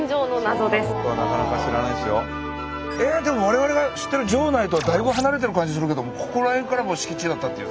でも我々が知ってる城内とはだいぶ離れてる感じするけどもここら辺からもう敷地だったっていう。